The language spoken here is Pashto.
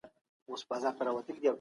حق او باطل لاري به جلا وي.